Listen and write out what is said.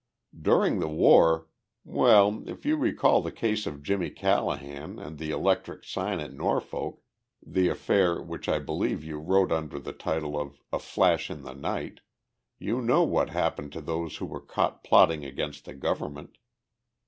"During the war well, if you recall the case of Jimmy Callahan and the electric sign at Norfolk the affair which I believe you wrote under the title of 'A Flash in the Night' you know what happened to those who were caught plotting against the government.